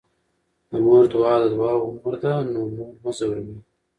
د مور دعاء د دعاوو مور ده، نو مور مه ځوروه